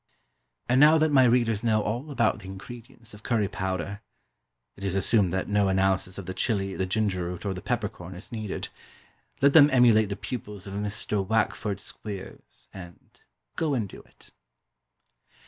And now that my readers know all about the ingredients of curry powder it is assumed that no analysis of the chili, the ginger root, or the peppercorn, is needed let them emulate the pupils of Mr. Wackford Squeers, and "go and do it."